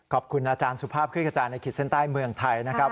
ขอบคุณอาจารย์สุภาพคลิกกระจายในขีดเส้นใต้เมืองไทยนะครับ